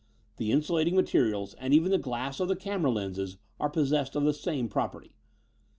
The insulating materials and even the glass of the camera lenses are possessed of the same property.